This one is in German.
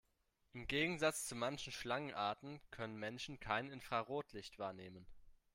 Im Gegensatz zu manchen Schlangenarten können Menschen kein Infrarotlicht wahrnehmen.